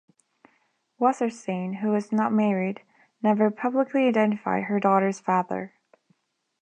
Wasserstein, who was not married, never publicly identified her daughter's father.